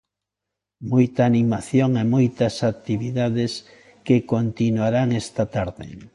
Moita animación e moitas activades que continuarán esta tarde.